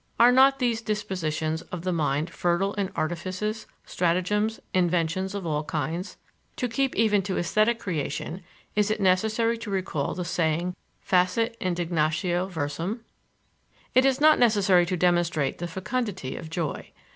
Are not these dispositions of the mind fertile in artifices, stratagems, inventions of all kinds? To keep even to esthetic creation, is it necessary to recall the saying facit indignatio versum? It is not necessary to demonstrate the fecundity of joy.